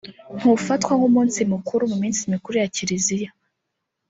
ntufatwa nk’umunsi mukuru mu minsi mikuru ya Kiliziya